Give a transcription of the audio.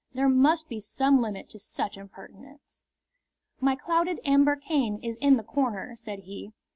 There must be some limit to such impertinence. "My clouded amber cane is in the corner," said he.